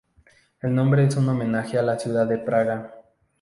El nombre es un homenaje a la ciudad de Praga.